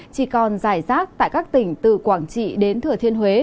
chỉ còn dài rác tại các tỉnh từ quảng trị đến thừa thiên huế